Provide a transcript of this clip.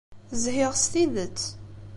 Zhiɣ s tidet.